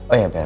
oh ya bel